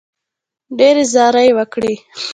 ډېرې زارۍ یې وکړې.